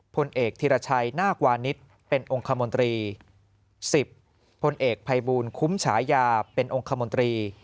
พลเอกธิรชัยนาควานิสเป็นองค์คมนตรี๑๐พลเอกภัยบูลคุ้มฉายาเป็นองค์คมนตรี